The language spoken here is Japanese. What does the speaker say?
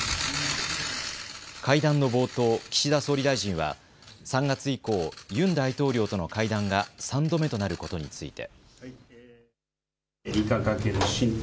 会談の冒頭、岸田総理大臣は３月以降、ユン大統領との会談が３度目となることについて。